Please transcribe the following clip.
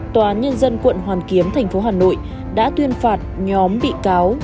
tòa án nhân dân quận hoàn kiếm tp hà nội đã tuyên phạt nhóm bị cáo